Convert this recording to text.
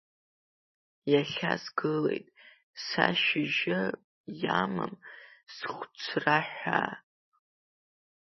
Иахьа сгылеит са шьыжьы, иамам схәцра ҳәаа.